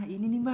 ini nih mbak